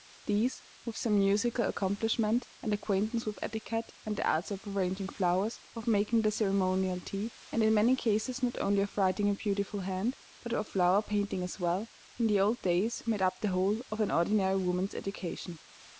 These, with some musical accomplishment, an acquaintance with etiquette and the arts of arranging flowers, of making the ceremonial tea, and in many cases not only of writing a beautiful hand, but of flower painting as well, in the old days made up the whole of an ordinary woman's education.